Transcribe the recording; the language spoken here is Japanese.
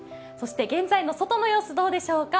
現在の外の様子、どうでしょうか。